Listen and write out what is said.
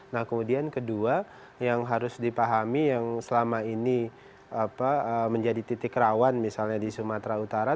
nah kemudian kedua yang harus dipahami yang selama ini menjadi titik rawan misalnya di sumatera utara